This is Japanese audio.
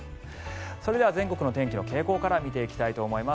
それでは全国の天気の傾向から見ていきたいと思います。